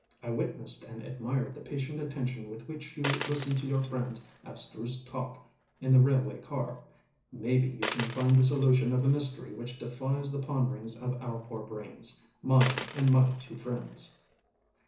I witnessed and admired the patient attention with which you listened to your friendŌĆÖs abstruse talk in the railway car. Maybe you can find the solution of a mystery which defies the ponderings of our poor brainsŌĆömine and my two friends.